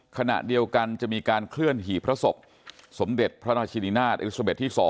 ขณะเดียวกันจะมีการเคลื่อนหี่พระศพสมเด็จพระราชินินาศเอลิซาเบสที่๒